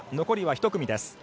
残りは１組です。